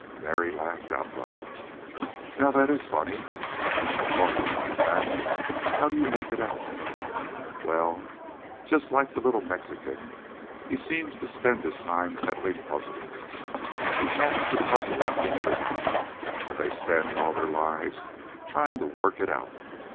Mary laughed outright. "Now that IS funny. I never thought of him like that. How do you make it out?" "Well, just like the little Mexican, he seems to spend his time peddling puzzles. He passes a puzzle out to everybody, and they spend all their lives tryin' to work it out.